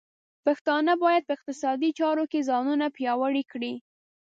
پښتانه بايد په اقتصادي چارو کې ځانونه پیاوړي کړي.